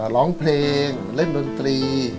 ร้องเพลงเล่นดนตรี